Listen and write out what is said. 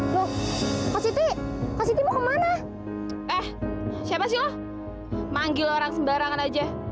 loh si titi mau kemana eh siapa sih lo manggil orang sembarangan aja